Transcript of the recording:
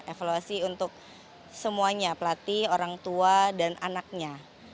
evaluasi untuk semuanya pelatih orang tua dan anaknya